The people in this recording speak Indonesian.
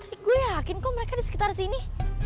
eh gue yakin kok mereka di sekitar sini